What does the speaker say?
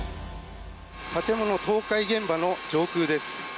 建物倒壊現場の上空です。